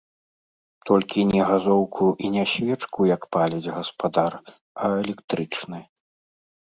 Толькі не газоўку і не свечку, як паліць гаспадар, а электрычны.